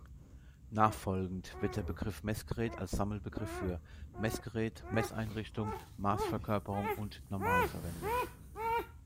Nachfolgend wird der Begriff Messgerät als Sammelbegriff für Messgerät, Messeinrichtung, Maßverkörperung und Normal verwendet.